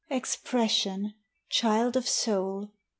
Expression, child of soul!